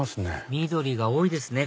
緑が多いですね